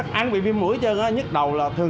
tại bụi quá nhiều luôn